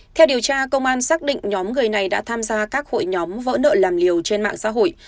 theo điều tra công an xác định nhóm người này đã tham gia các hội nhóm vỡ nợ làm liều trên mạng xã hội